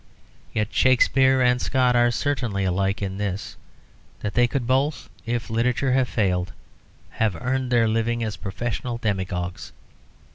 Yet Shakespeare and Scott are certainly alike in this, that they could both, if literature had failed, have earned a living as professional demagogues.